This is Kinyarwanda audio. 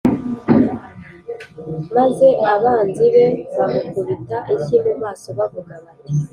maze abanzi be bamukubita inshyi mu maso bavuga bati,